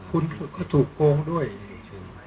ก็ต้องทำอย่างที่บอกว่าช่องคุณวิชากำลังทำอยู่นั่นนะครับ